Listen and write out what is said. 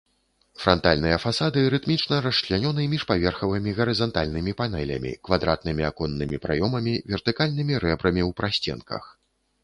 Франтальныя фасады рытмічна расчлянёны міжпаверхавымі гарызантальнымі панелямі, квадратнымі аконнымі праёмамі, вертыкальнымі рэбрамі ў прасценках.